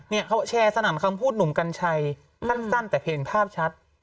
เนี่ยเขาแชร์สนามคำพูดหนุ่มกัญชัยสั้นแต่เพลงภาพชัด